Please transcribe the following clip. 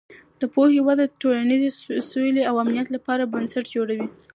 د پوهې وده د ټولنیزې سولې او امنیت لپاره بنسټ جوړوي.